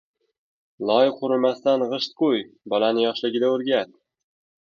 • Loy qurimasdan g‘isht quy, bolani yoshligida o‘rgat.